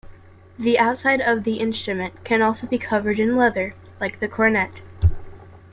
The outside of the instrument can also be covered in leather, like the cornett.